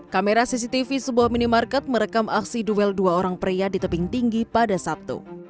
kamera cctv sebuah minimarket merekam aksi duel dua orang pria di tebing tinggi pada sabtu